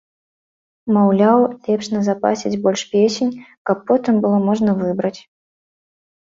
Маўляў, лепш назапасіць больш песень, каб потым было можна выбраць.